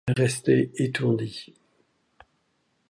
Elle restait étourdie.